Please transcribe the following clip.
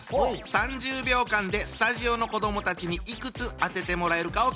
３０秒間でスタジオの子どもたちにいくつ当ててもらえるかを競ってください。